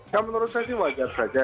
nah menurut saya ini wajar saja